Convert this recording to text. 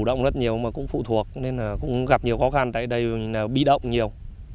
hoạt động rất nhiều mà cũng phụ thuộc nên là cũng gặp nhiều khó khăn tại đây bị động nhiều